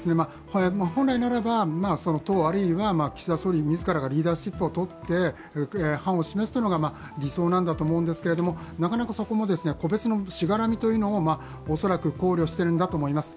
本来ならば、党、あるいは岸田総理自らがリーダーシップをとって範を示すのが理想だと思いますがなかなかそこも個別のしがらみというのを、恐らく考慮してると思います。